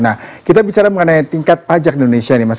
nah kita bicara mengenai tingkat pajak di indonesia nih mas